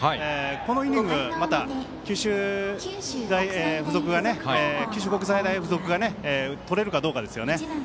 このイニング、また九州国際大付属が取れるかどうかですよね。